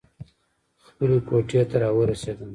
خپلې کوټې ته راورسېدم.